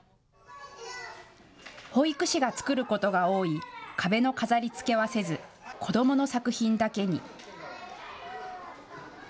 保育士が作ることが多い壁の飾りつけはせず子どもの作品だけに。